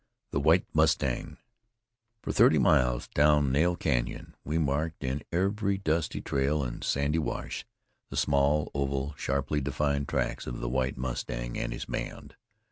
THE WHITE MUSTANG For thirty miles down Nail Canyon we marked, in every dusty trail and sandy wash, the small, oval, sharply defined tracks of the White Mustang and his band.